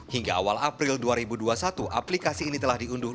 hingga awal april dua ribu dua puluh satu aplikasi ini telah diunduh